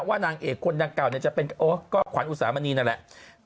นางเอกคนดังเก่าจะเป็นโอ๊ตก็ขวัญอุสามณีนั่นแหละ